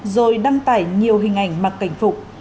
rồi đăng tải nhiều hình ảnh mặc cảnh phục